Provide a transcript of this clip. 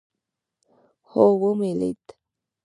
هو ومې لېد.